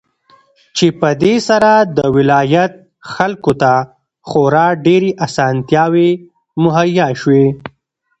چې په دې سره د ولايت خلكو ته خورا ډېرې اسانتياوې مهيا شوې.